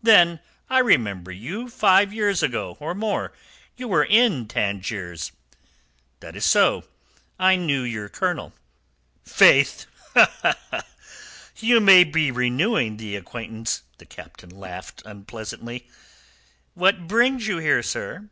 "Then I remember you five years ago, or more, you were in Tangiers." "That is so. I knew your colonel." "Faith, you may be renewing the acquaintance." The Captain laughed unpleasantly. "What brings you here, sir?"